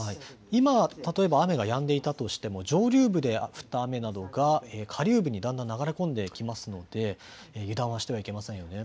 今、例えば雨がやんでいたとしても上流部で降った雨などが下流部にだんだん流れ込んできますので油断はしてはいけませんよね。